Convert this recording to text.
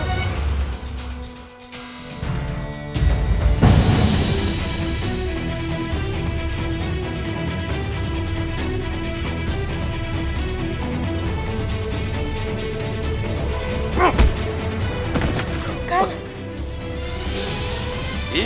aduh tidak usah czo